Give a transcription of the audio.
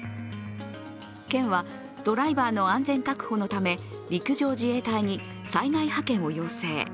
県はドライバーの安全確保のため陸上自衛隊に災害派遣を要請。